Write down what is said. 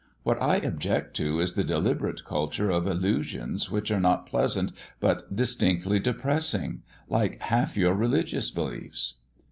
What I object to is the deliberate culture of illusions which are not pleasant but distinctly depressing, like half your religious beliefs."